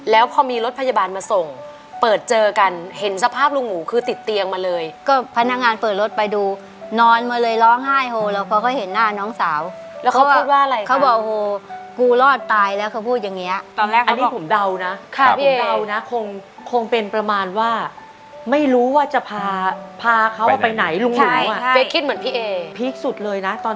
แล้วพอมีรถพยาบาลมาส่งเปิดเจอกันเห็นสภาพลุงหมูคือติดเตียงมาเลยแล้วพอมีรถพยาบาลมาส่งเปิดเจอกันเห็นสภาพลุงหมูคือติดเตียงมาเลยแล้วพอมีรถพยาบาลมาส่งเปิดเจอกันเห็นสภาพลุงหมูคือติดเตียงมาเลยแล้วพอมีรถพยาบาลมาส่งเปิดเจอกันเห็นสภาพลุงหมูคือติดเตียงมาเลยแล้วพอ